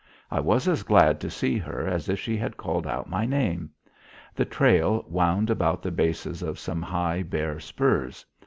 I was as glad to see her as if she had called out my name. The trail wound about the bases of some high bare spurs.